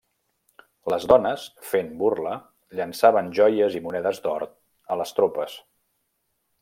Les dones, fent burla, llençaven joies i monedes d'or a les tropes.